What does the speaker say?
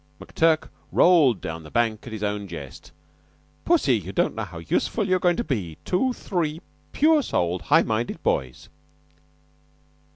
McTurk rolled down the bank at his own jest. "Pussy, you don't know how useful you're goin' to be to three pure souled, high minded boys."